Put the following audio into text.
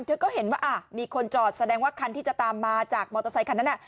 เธอก็เห็นว่ามีคนจอดแสดงว่าคันที่จะตามมาจากมอเตอร์ไซคันนั้น